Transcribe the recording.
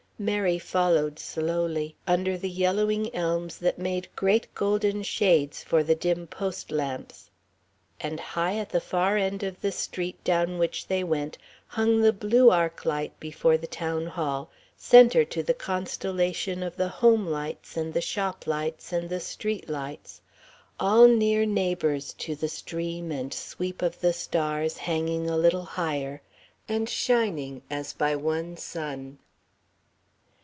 Mary followed slowly, under the yellowing elms that made great golden shades for the dim post lamps. And high at the far end of the street down which they went, hung the blue arc light before the Town Hall, center to the constellation of the home lights and the shop lights and the street lights, all near neighbours to the stream and sweep of the stars hanging a little higher and shining as by one sun.